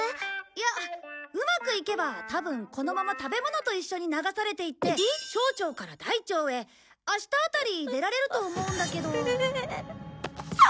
いやうまくいけばたぶんこのまま食べ物と一緒に流されていって小腸から大腸へ明日辺り出られると思うんだけど。